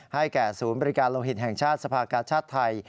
แก่ศูนย์บริการโลหิตแห่งชาติสภากาชาติไทย